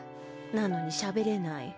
なのにしゃべれない。